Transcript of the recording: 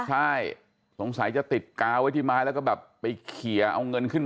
ใช่สงสัยจะติดกาวไว้ที่ไม้แล้วก็แบบไปเคียร์